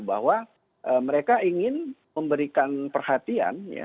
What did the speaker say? bahwa mereka ingin memberikan perhatian